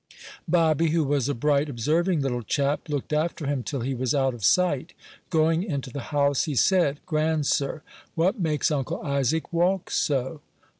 Bobby, who was a bright, observing little chap, looked after him till he was out of sight. Going into the house, he said, "Grandsir, what makes Uncle Isaac walk so?"